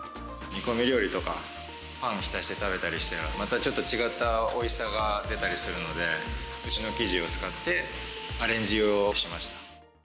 煮込み料理とか、パン浸して食べたりするとまたちょっと違ったおいしさが出たりするので、うちの生地を使って、アレンジをしました。